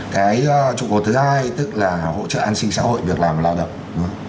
cái trụ cột thứ hai tức là hỗ trợ an sinh xã hội việc làm lao động